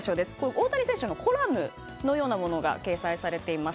大谷選手のコラムのようなものが掲載されています。